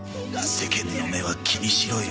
世間の目は気にしろよ